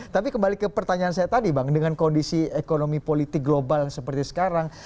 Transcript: tapi kembali ke pertanyaan saya tadi bang dengan kondisi ekonomi politik global seperti sekarang